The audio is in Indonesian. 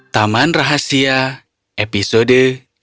taman rahasia episode tiga